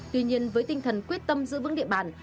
tuy nhiên với tinh thần quyết tâm giữ vững địa bàn